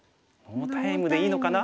ノータイムでいいのかな？